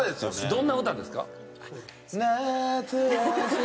どんな歌ですか？